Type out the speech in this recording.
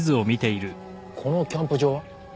このキャンプ場は？